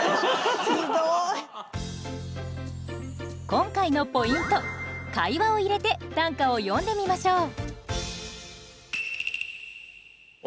今回のポイント会話を入れて短歌を詠んでみましょう。